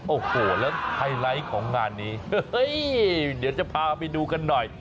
โอ้โหแล้วไฮไลท์ของงานนี้เฮ้ยเดี๋ยวจะพาไปดูกันหน่อย